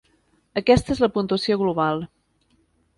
Aquesta és la puntuació global.